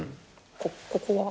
ここは？